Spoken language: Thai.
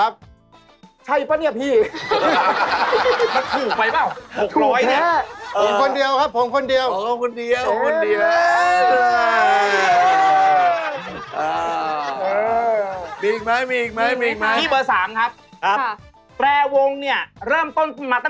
เบอร์๒คะ